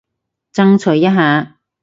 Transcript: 爭取一下